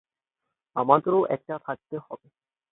আমাদেরও একটা থাকতে হবে।